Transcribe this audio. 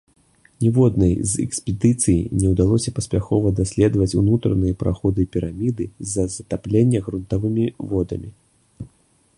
Ніводнай з экспедыцый не ўдалося паспяхова даследаваць унутраныя праходы піраміды з-за затаплення грунтавымі водамі.